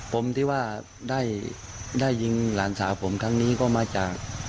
ผมที่ว่าได้ยิงหลานสาวผมครั้งนี้ก็มาจาก